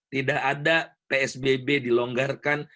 tidak ada psbb dilonggarkan